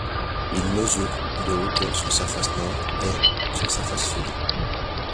Il mesure de hauteur sur sa face nord et sur sa face sud.